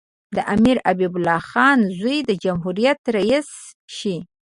د امیر حبیب الله خان زوی د جمهوریت رییس شي.